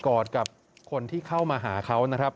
อดกับคนที่เข้ามาหาเขานะครับ